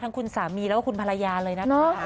คุณสามีแล้วก็คุณภรรยาเลยนะคะ